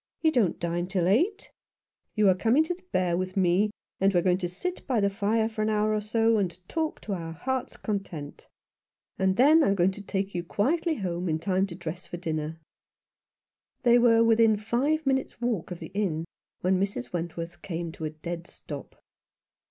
You don't dine till eight. You are coming to the Bear with me, and we are going to sit by the fire for an hour or so, and talk to our hearts' content And 7^ Some One who loved Him. then I am going to take you quietly home jn time to dress for dinner." They were within five minutes' walk of the inn when Mrs. Wentworth came to a dead stop.